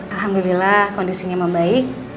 alhamdulillah kondisinya membaik